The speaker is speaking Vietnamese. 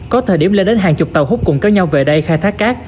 có thời điểm lên đến hàng chục tàu hút cùng các nhau về đây khai thác cát